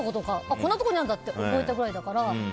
こんなところにあるんだって覚えたくらいだから。